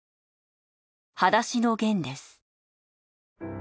『はだしのゲン』です。